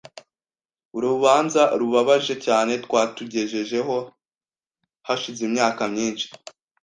Urubanza rubabaje cyane. twatugejejeho hashize imyaka myinshi .